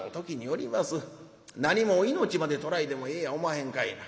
なにも命まで取らいでもええやおまへんかいな。